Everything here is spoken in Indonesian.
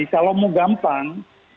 kalau mau gampang